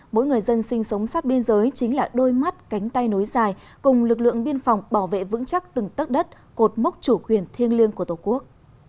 mỗi người dân sinh sống sát biên giới chính là đôi mắt cánh tay nối dài cùng lực lượng biên phòng bảo vệ vững chắc từng tất đất cột mốc chủ quyền thiêng liêng của tổ quốc